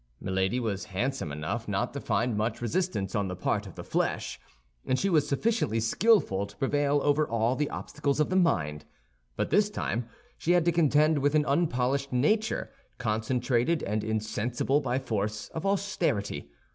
Milady was handsome enough not to find much resistance on the part of the flesh, and she was sufficiently skillful to prevail over all the obstacles of the mind. But this time she had to contend with an unpolished nature, concentrated and insensible by force of austerity.